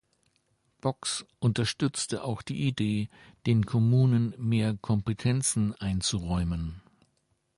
Boggs unterstützte auch die Idee, den Kommunen mehr Kompetenzen einzuräumen.